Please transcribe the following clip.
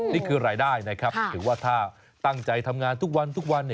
นี่คือรายได้นะครับถือว่าถ้าตั้งใจทำงานทุกวันทุกวัน